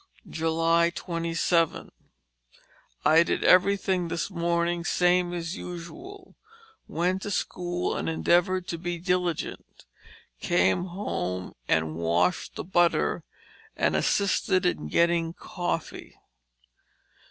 " 27. I did everything this morning same as usual, went to school and endeavored to be diligent; came home and washed the butter and assisted in getting coffee.